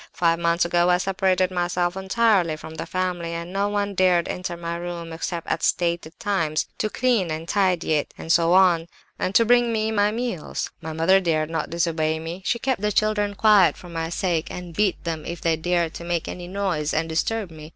Five months ago I separated myself entirely from the family, and no one dared enter my room except at stated times, to clean and tidy it, and so on, and to bring me my meals. My mother dared not disobey me; she kept the children quiet, for my sake, and beat them if they dared to make any noise and disturb me.